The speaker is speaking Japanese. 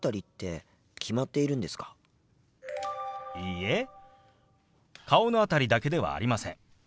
いいえ顔の辺りだけではありません。